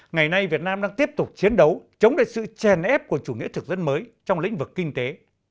ngày nay việt nam đang tiếp tục chiến đấu chống lại sự chèn ép của chủ nghĩa thực dân mới trong lĩnh vực kinh tế